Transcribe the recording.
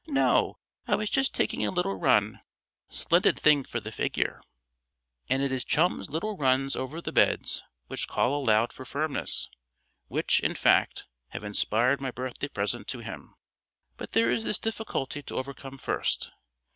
"No, I was just taking a little run splendid thing for the figure." And it is just Chum's little runs over the beds which call aloud for firmness which, in fact, have inspired my birthday present to him. But there is this difficulty to overcome first.